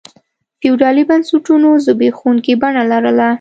فیوډالي بنسټونو زبېښونکي بڼه لرله.